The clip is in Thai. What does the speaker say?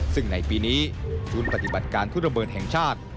ซึ่งในปีนี้ศูนย์ปฏิบัติการทุระเบิดแห่งชาติ